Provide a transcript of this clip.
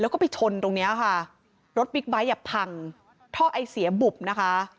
แล้วก็ไปชนตรงเนี้ยค่ะรถบิ๊กไบท์อ่ะพังท่อไอเสียบุบนะคะ